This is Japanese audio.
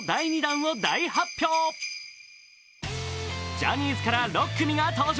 ジャニーズから６組が登場。